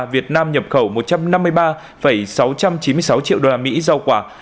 việt nam nhập khẩu một trăm năm mươi ba sáu trăm chín mươi sáu triệu đô la mỹ rau quả